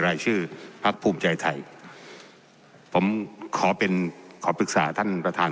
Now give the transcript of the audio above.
รายชื่อพักภูมิใจไทยผมขอเป็นขอปรึกษาท่านประธาน